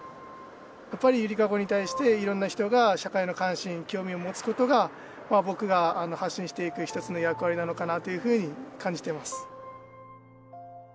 やっぱりゆりかごに対していろんな人が社会の関心興味を持つことが僕が発信していく一つの役割なのかなというふうに感じています。